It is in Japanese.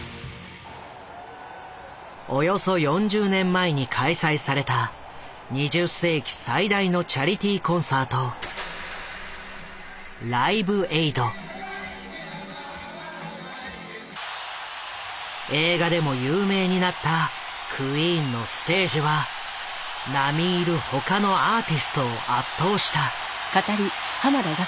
およそ４０年前に開催された２０世紀最大のチャリティーコンサート映画でも有名になったクイーンのステージは並み居る他のアーティストを圧倒した。